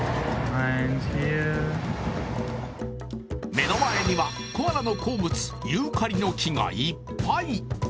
目の前にはコアラの好物ユーカリの木がいっぱい。